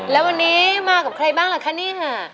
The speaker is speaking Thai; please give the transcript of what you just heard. แล้ววันนี้มากับใครบ้างล่ะคะนี่ค่ะ